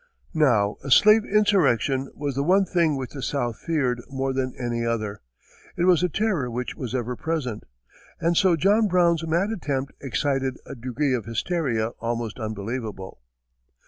Now a slave insurrection was the one thing which the South feared more than any other it was the terror which was ever present. And so John Brown's mad attempt excited a degree of hysteria almost unbelievable.